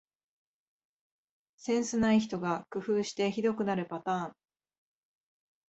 センスない人が工夫してひどくなるパターン